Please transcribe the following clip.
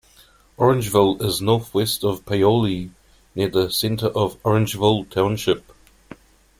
Orangeville is northwest of Paoli, near the center of Orangeville Township.